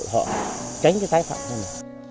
không chỉ có tài chính